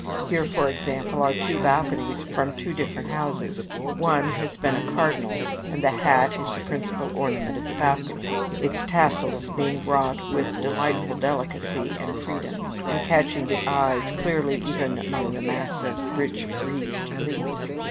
Here, for example, are two balconies, from two different houses; one has been a cardinal's, and the hat is the principal ornament of the balcony; its tassels being wrought with delightful delicacy and freedom; and catching the eye clearly even among the mass of rich wreathed leaves.